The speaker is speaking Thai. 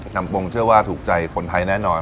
จำปงเชื่อว่าถูกใจคนไทยแน่นอน